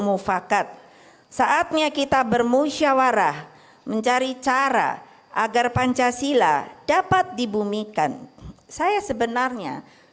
mufakat saatnya kita bermusyawarah mencari cara agar pancasila dapat dibumikan saya sebenarnya